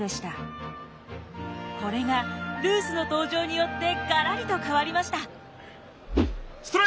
これがルースの登場によってガラリと変わりました。